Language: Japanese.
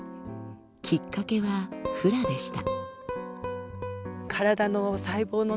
きっかけはフラでした。